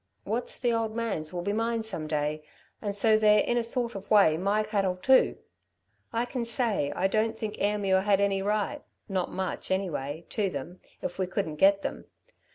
"What's the old man's will be mine some day, and so they're in a sort of way my cattle too. I can say, I don't think Ayrmuir had any right not much anyway to them, if we couldn't get them.